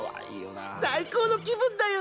最高の気分だよ！